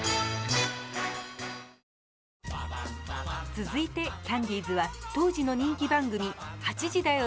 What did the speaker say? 続いてキャンディーズは当時の人気番組「８時だョ！